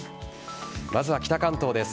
まずは北関東です。